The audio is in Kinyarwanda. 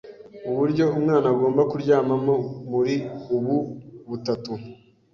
uburyo umwana agomba kuryamamo muri ubu butatu